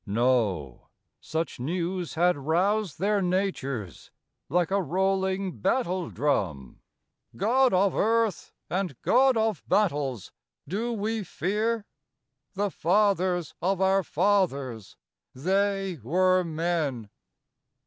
No! such news had 'roused their natures like a rolling battle drum God of Earth! and God of Battles! do we fear? The fathers of our fathers, they were men!